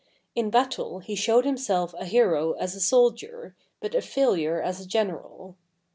In battle he showed himself a hero as a soldier, but a failure as a general.